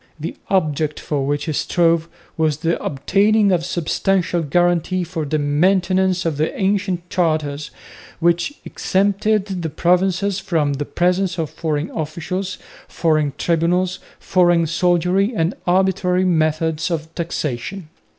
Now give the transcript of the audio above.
The object for which he strove was the obtaining of substantial guarantees for the maintenance of the ancient charters, which exempted the provinces from the presence of foreign officials, foreign tribunals, foreign soldiery and arbitrary methods of taxation.